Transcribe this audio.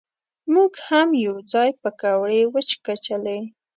مونږ هم یو ځای پکوړې وچکچلې.